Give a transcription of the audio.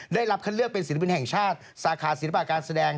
ได้รับคัดเลือกเป็นศิลปินแห่งชาติสาขาศิลปะการแสดง